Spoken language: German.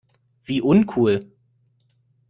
Wie uncool!